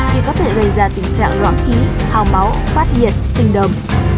thì có thể gây ra tình trạng rõ khí hào máu phát nhiệt sinh đồng